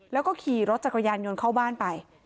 แล้วก็ขี่รถจักรยานยนต์เข้าบ้านไป